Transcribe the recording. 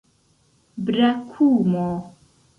brakumo